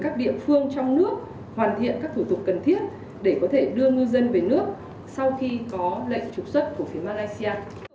các địa phương trong nước hoàn thiện các thủ tục cần thiết để có thể đưa ngư dân về nước sau khi có lệnh trục xuất của phía malaysia